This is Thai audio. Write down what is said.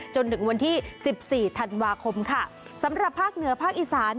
จนถึงวันที่สิบสี่ธันวาคมค่ะสำหรับภาคเหนือภาคอีสาน